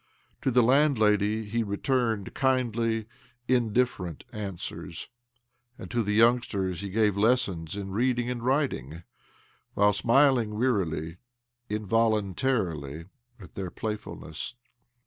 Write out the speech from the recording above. To the landlady he returned kindly, indifferent answers, and to the youngsters he gave lessons in reading and writing, while smiling wearily, involuntarily at their playfulness.